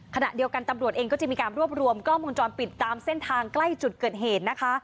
ขณะเดียวกันตำรวจเองก็จะมีการรวบรวมกล้องวงจรปิดตามเส้นทางใกล้จุดเกิดเหตุนะคะ